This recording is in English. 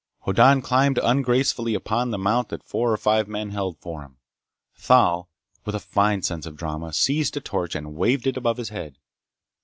Hoddan climbed ungracefully upon the mount that four or five men held for him. Thal, with a fine sense of drama, seized a torch and waved it above his head.